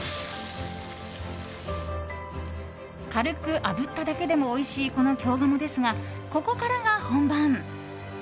軽くあぶっただけでもおいしい、この京鴨ですがここからが本番。